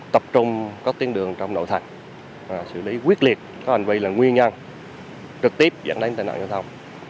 tập trung các tuyến đường trong nội thành xử lý quyết liệt có hành vi là nguyên nhân trực tiếp dẫn đến tài nạn giao thông